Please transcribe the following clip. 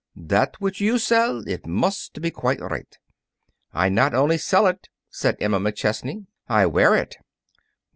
"That which you sell, it must be quite right." "I not only sell it," said Emma McChesney; "I wear it."